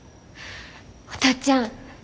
お父ちゃん。